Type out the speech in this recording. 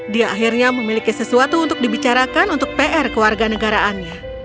dia akhirnya memiliki sesuatu untuk dibicarakan untuk pr keluarga negaraannya